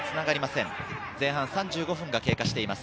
前半３５分が経過しています。